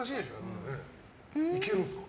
いけるんですか？